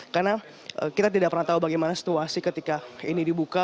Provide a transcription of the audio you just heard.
karena kita tidak pernah tahu bagaimana situasi ketika ini dibuka